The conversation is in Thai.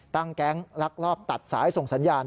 แก๊งลักลอบตัดสายส่งสัญญาณ